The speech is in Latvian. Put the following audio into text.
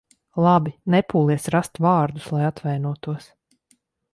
Labi, nepūlies rast vārdus, lai atvainotos.